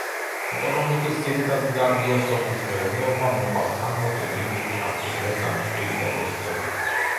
ეკონომიკის ძირითადი დარგია სოფლის მეურნეობა, მოყავთ თამბაქო, ბრინჯი, შაქრის ლერწამი, ხილი და ბოსტნეული.